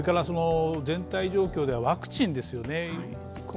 全体状況ではワクチンですよね。